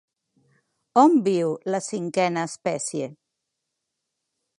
On viu la cinquena espècie?